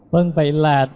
vâng vậy là